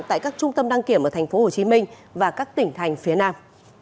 tại các trung tâm đăng kiểm ở tp hcm và các tỉnh thành phía nam